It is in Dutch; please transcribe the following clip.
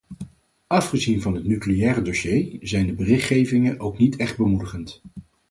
Afgezien van het nucleaire dossier zijn de berichtgevingen ook niet echt bemoedigend.